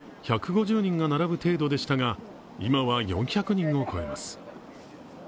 コロナ前は１５０人が並ぶ程度でしたが、今は４００人を超えます。